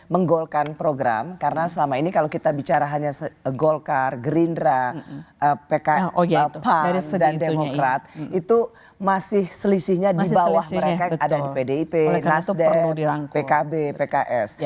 menggolkan program karena selama ini kalau kita bicara hanya golkar gerindra pks pan dan demokrat itu masih selisihnya di bawah mereka yang ada di pdip nasdem pkb pks